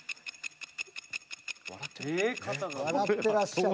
笑ってらっしゃる。